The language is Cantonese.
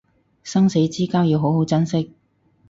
生死之交要好好珍惜